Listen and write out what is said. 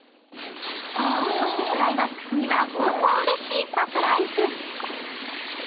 そしてクライマックスにはこんなうれしいサプライズ！